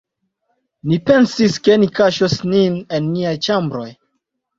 Ni pensis, ke ni kaŝos nin en niaj ĉambroj.